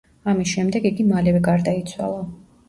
ამის შემდეგ იგი მალევე გარდაიცვალა.